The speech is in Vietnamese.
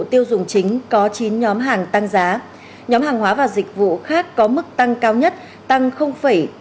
tiêu dùng chính có chín nhóm hàng tăng giá nhóm hàng hóa và dịch vụ khác có mức tăng cao nhất tăng ba mươi